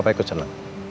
papa ikut senang